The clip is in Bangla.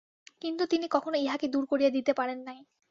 কিন্তু তিনি কখনও ইহাকে দূর করিয়া দিতে পারেন নাই।